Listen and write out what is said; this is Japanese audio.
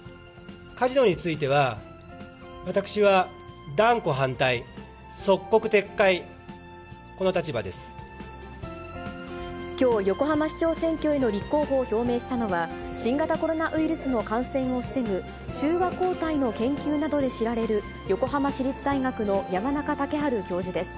カジノについては、私は断固反対、即刻撤回、きょう、横浜市長選挙への立候補を表明したのは、新型コロナウイルスの感染を防ぐ中和抗体の研究などで知られる、横浜市立大学の山中竹春教授です。